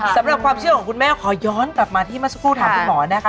สำหรับความเชื่อของคุณแม่ขอย้อนกลับมาที่เมื่อสักครู่ถามคุณหมอนะคะ